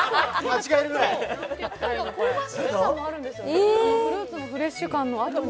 香ばしい感もあるんですよね、フルーツのフレッシュ感とともに。